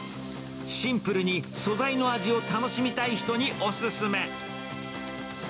シンプルに素材の味を楽しみたい人にお勧め。